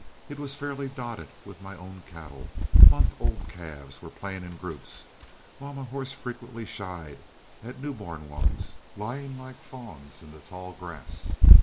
It was fairly dotted with my own cattle; month old calves were playing in groups, while my horse frequently shied at new born ones, lying like fawns in the tall grass.